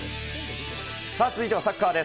続いてはサッカーです。